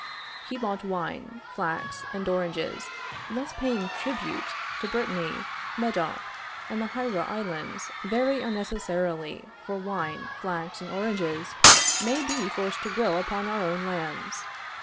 He bought wine, flax, and oranges, thus paying tribute to Brittany, Medoc, and the Hiera islands very unnecessarily, for wine, flax and oranges may be forced to grow upon our own lands.